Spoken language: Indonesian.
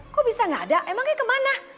kok bisa gaada emangnya kemana